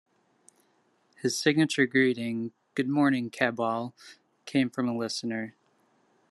His signature greeting, "Good morning, cabal," came from a listener.